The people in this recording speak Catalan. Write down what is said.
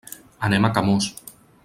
Anem a Camós.